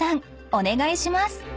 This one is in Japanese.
お願いします］